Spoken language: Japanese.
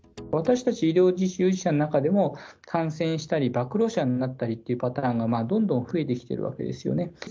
私たち医療従事者の中でも、感染したり、ばく露者になったりというパターンがどんどん増えてきてるわけですよね。